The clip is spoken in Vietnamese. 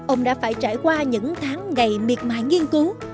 ông đã phải trải qua những tháng ngày miệt mài nghiên cứu